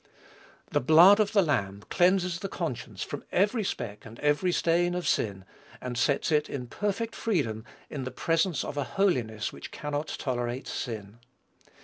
The blood of the Lamb cleanses the conscience from every speck and stain of sin, and sets it, in perfect freedom, in the presence of a holiness which cannot tolerate sin.